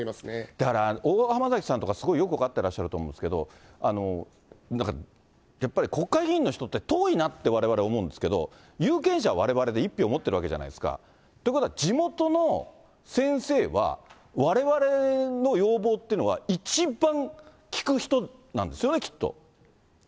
だから、大濱崎さんとか、よく分かってらっしゃると思うんですけれども、なんかやっぱり国会議員の人って遠いなって、われわれ思うんですけど、有権者はわれわれで１票持ってるわけじゃないですか。ということは、地元の先生は、われわれの要望っていうのは一番聞く人なんですよね、きっと。